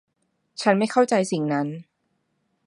ฉันไม่เข้าใจสิ่งนั้น